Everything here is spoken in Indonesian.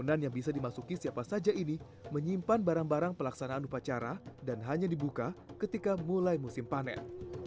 makanan yang bisa dimasuki siapa saja ini menyimpan barang barang pelaksanaan upacara dan hanya dibuka ketika mulai musim panen